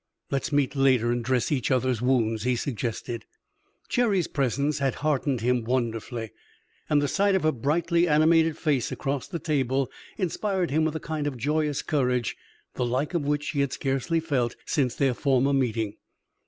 "Let's meet later and dress each other's wounds," he suggested. Cherry's presence had heartened him wonderfully, and the sight of her brightly animated face across the table inspired him with a kind of joyous courage, the like of which he had scarcely felt since their former meeting.